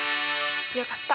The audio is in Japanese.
よかった。